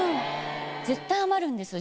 絶対余るんですよ